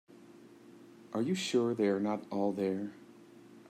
Are you sure they are not all there?